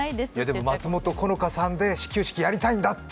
でも松本好花さんで始球式をやりたいんだって。